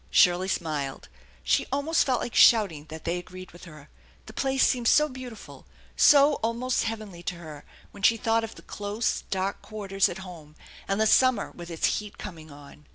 Shirley smiled. She almost felt like shouting that they agreed with her. The place seemed so beautiful, so almost heavenly to her when she thought of the close, dark quarters at home and the summer with its heat coming on.